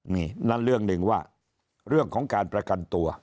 นี่นั่นเรื่องหนึ่งว่าเรื่องของการประกันตัว